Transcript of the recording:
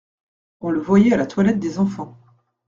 On le voyait à la toilette des enfants.